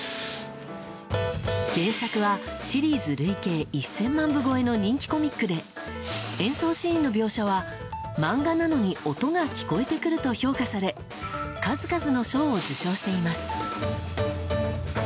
原作はシリーズ累計１０００万部超えの人気コミックで演奏シーンの描写は、漫画なのに音が聴こえてくると評価され数々の賞を受賞しています。